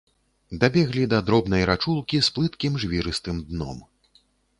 Дабеглі да дробнай рачулкі з плыткім жвірыстым дном.